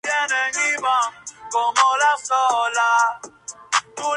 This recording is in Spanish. El condado recibe su nombre en honor a Joseph Hamilton Daviess.